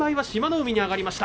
海に上がりました。